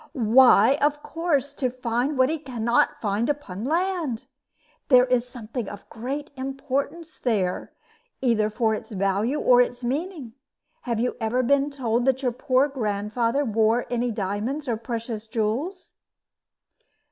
"Why, of course, to find what he can not find upon land. There is something of great importance there, either for its value or its meaning. Have you ever been told that your poor grandfather wore any diamonds or precious jewels?"